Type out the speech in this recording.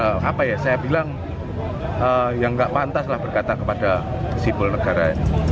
refli harun tetap menjadi pembicara